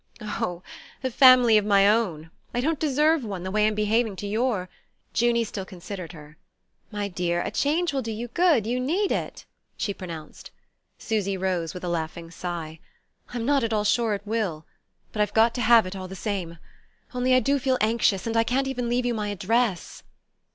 "Oh, a family of my own I don't deserve one, the way I'm behaving to your " Junie still considered her. "My dear, a change will do you good: you need it," she pronounced. Susy rose with a laughing sigh. "I'm not at all sure it will! But I've got to have it, all the same. Only I do feel anxious and I can't even leave you my address!"